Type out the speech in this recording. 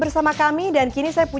bisa saja mungkin setelah diantesin